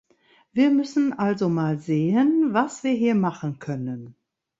Wir müssen also mal sehen, was wir hier machen können.